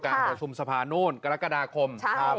การกระทุ่มสะพานนู่นกรกฎาคม